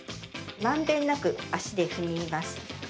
まんべんなく足で踏みます。